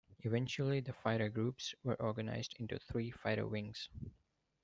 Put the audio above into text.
Eventually the fighter groups were organized into three Fighter Wings.